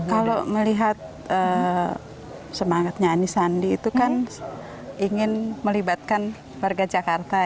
kalau melihat semangatnya